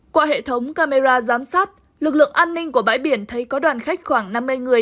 qua hệ thống camera giám sát lực lượng an ninh của bãi biển thấy có đoàn khách khoảng năm mươi người